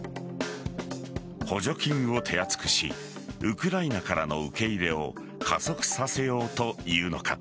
補助金を手厚くしウクライナからの受け入れを加速させようというのか。